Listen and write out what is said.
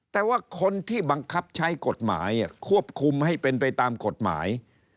แต่ว่าคนที่บังคับใช้กฎหมายควบคุมให้เป็นไปตามกฎหมาย